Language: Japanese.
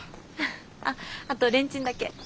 あっあとレンチンだけ。